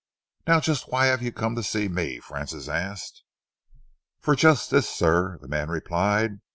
"Now just why have you come to see me?" Francis asked. "For just this, sir," the man replied.